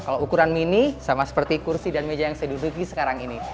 kalau ukuran mini sama seperti kursi dan meja yang saya duduki sekarang ini